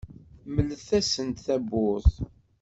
Mlet-asent tawwurt.